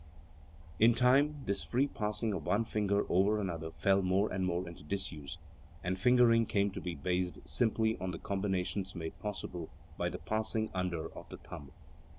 207 In time this free passing of one finger over another fell more and more into disuse, and fingering came to be based simply on the combinations made possible by the passing under of the thumb.